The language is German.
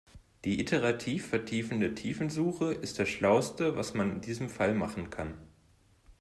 Die iterativ vertiefende Tiefensuche ist das schlauste, was man in diesem Fall machen kann.